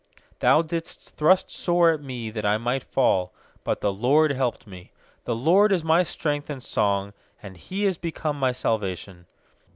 13Thou didst thrust sore at me that I might fall; But the LORD helped me. 14The LORD is my strength and song; And He is become my salvation.